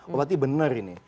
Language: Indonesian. berarti benar ini